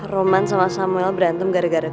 roman sama samuel berantem gara gara